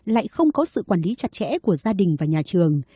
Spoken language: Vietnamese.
lại không có sự quản lý chặt chẽ của gia đình và nhà trường